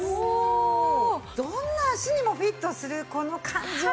どんな足にもフィットするこの感じをね